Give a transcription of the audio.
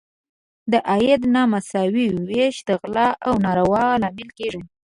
د عاید نامساوي ویش د غلا او نارواوو لامل کیږي.